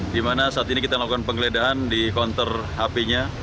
dimana saat ini kita melakukan pengledahan di kontor hp nya